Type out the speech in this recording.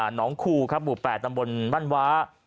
หนองคู่อ่ะม๘ตำบลบั้นวา